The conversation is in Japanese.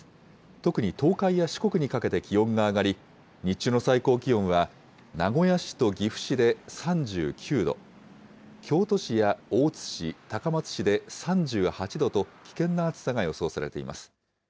特に東海や四国にかけて気温が上がり、日中の最高気温は名古屋市と岐阜市で３９度、京都市や大津市、高松市で３８度と危険な暑さが予想されています。